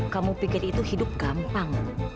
kamu pikir itu hidup gampang